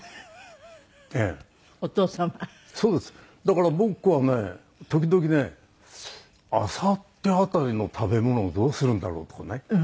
だから僕はね時々ねあさって辺りの食べ物をどうするんだろう？とかね。